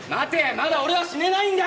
まだ俺は死ねないんだ！